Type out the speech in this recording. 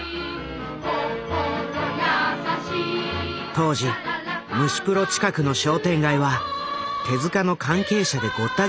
当時虫プロ近くの商店街は手の関係者でごった返していた。